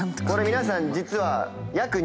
これ皆さん実は約。